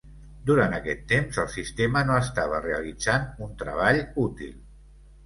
Durant aquest temps, el sistema no estava realitzant un treball útil.